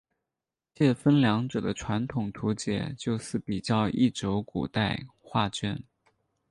介分两者的传统图解就似比较一轴古代画卷。